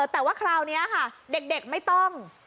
แต่ว่าคราวนี้ค่ะเด็กไม่ต้อง